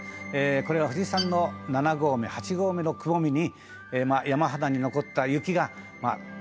「これは富士山の７合目８合目のくぼみに山肌に残った雪が鳥のように見える」